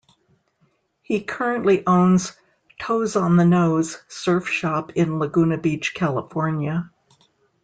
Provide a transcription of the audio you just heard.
He currently owns "Toes on the Nose" surf shop in Laguna Beach, California.